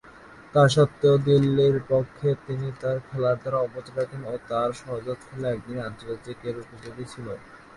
তাসত্ত্বেও, দিল্লির পক্ষে তিনি তার খেলার ধারা অব্যাহত রাখেন ও তার সহজাত খেলা একদিনের আন্তর্জাতিকের উপযোগী ছিল।